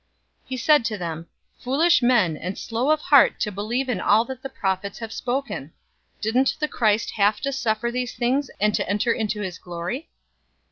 024:025 He said to them, "Foolish men, and slow of heart to believe in all that the prophets have spoken! 024:026 Didn't the Christ have to suffer these things and to enter into his glory?"